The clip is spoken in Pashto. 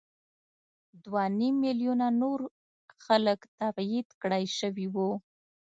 دوه نیم میلیونه نور خلک تبعید کړای شوي وو.